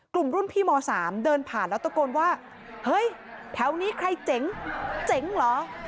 กลุ่มรุ่นพี่ม๓เดินผ่านแล้วตะโกนว่าเฮ้ยแถวนี้ใครเจ๋งเจ๋งเหรอ